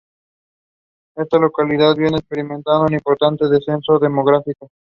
Esta localidad viene experimentando un importante descenso demográfico.